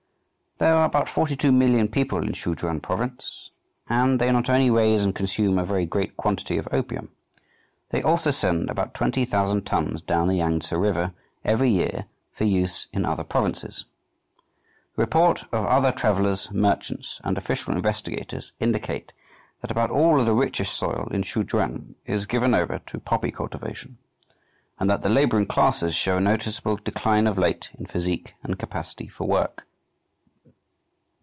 There are about forty two million people in Szechuen Province; and they not only raise and consume a very great quantity of opium, they also send about twenty thousand tons down the Yangtse River every year for use in other provinces. The report of other travellers, merchants, and official investigators indicate that about all of the richest soil in Szechuen is given over to poppy cultivation, and that the labouring classes show a noticeable decline of late in physique and capacity for work.